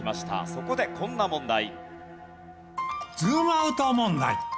そこでこんな問題。